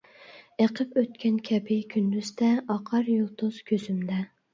ئېقىپ ئۆتكەن كەبى كۈندۈزدە ئاقار يۇلتۇز كۆزۈمدە.